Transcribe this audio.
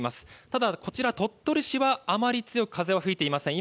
ただ、こちら、鳥取市はあまり強く風は吹いていません。